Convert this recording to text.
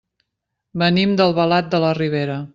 Venim d'Albalat de la Ribera.